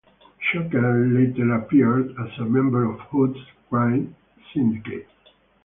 Shocker later appeared as a member of Hood's crime syndicate.